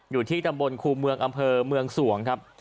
อยู่ที่ตำบลครูเมืองอำเภอเมืองสวงครับ